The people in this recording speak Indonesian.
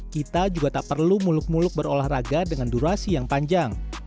kita juga tak perlu muluk muluk berolahraga dengan durasi yang panjang